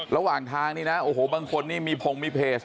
ระหว่างทางนี่นะโอ้โหบางคนนี่มีพงมีเพจ